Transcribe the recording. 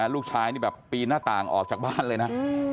ลูกชายนี่แบบปีนหน้าต่างออกจากบ้านเลยนะ